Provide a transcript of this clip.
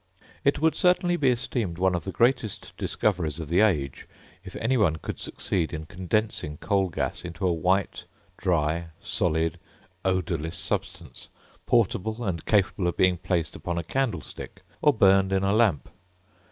It would certainly be esteemed one of the greatest discoveries of the age if any one could succeed in condensing coal gas into a white, dry, solid, odourless substance, portable, and capable of being placed upon a candlestick, or burned in a lamp.